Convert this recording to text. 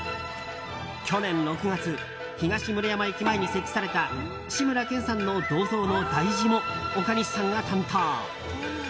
去年６月、東村山駅前に設置された志村けんさんの銅像の題字も岡西さんが担当。